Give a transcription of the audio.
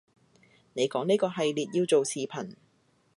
你講呢個系列要做視頻